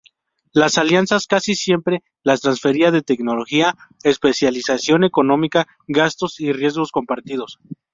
Las alianzas casi siempre la transferencia de tecnología, especialización económica, gastos y riesgos compartidos.